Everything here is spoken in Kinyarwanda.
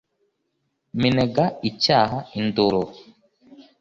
minega icyaha induru